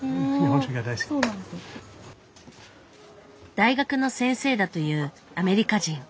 大学の先生だというアメリカ人。